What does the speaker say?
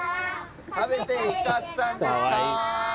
「食べて行かっさんですかー！」